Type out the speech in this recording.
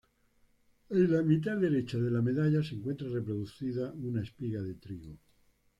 En la mitad derecha de la medalla se encuentra reproducida una espiga de trigo.